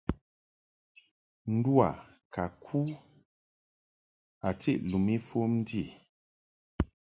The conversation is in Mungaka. Ndu a ka ku a tiʼ lum ifom ndi.